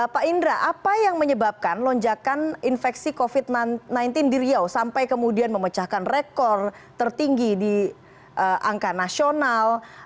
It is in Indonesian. pak indra apa yang menyebabkan lonjakan infeksi covid sembilan belas di riau sampai kemudian memecahkan rekor tertinggi di angka nasional